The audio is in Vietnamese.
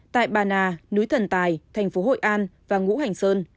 tại bà nà núi thần tài thành phố hội an và ngũ hành sơn